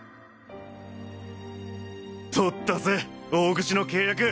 取ったぜ大口の契約！